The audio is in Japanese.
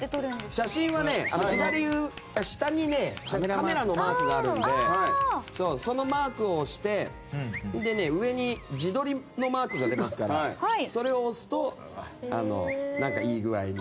写真は下にカメラのマークがあるのでそのマークを押して上に自撮りのマークが出ますからそれを押すと、いい具合に。